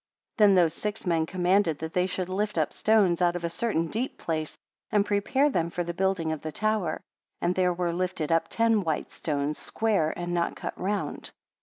25 Then those six men commanded, that they should lift up stones out of a certain deep place, and prepare them for the building of the tower. And there were lifted up ten white stones, square, and not cut round.